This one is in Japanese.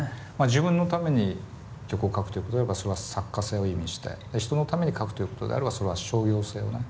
自分のために曲を書くということであればそれは作家性を意味して人のために書くということであればそれは商業性を意味するのかななんて